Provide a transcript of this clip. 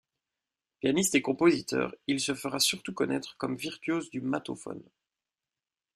Pianiste et compositeur, il se fera surtout connaître comme virtuose du mattauphone.